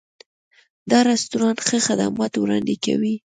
دا رستورانت ښه خدمات وړاندې کوي.